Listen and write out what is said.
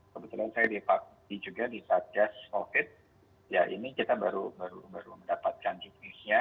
kebetulan saya juga di satgas covid ya ini kita baru mendapatkan juknisnya